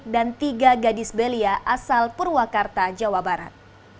dan tiga gadis belia asal purwakarta jawa barat